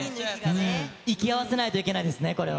息合わせないといけないですね、これは。